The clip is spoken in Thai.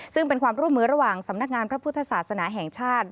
ซึ่งเป็นความร่วมมือระหว่างสำนักงานพระพุทธศาสนาแห่งชาติ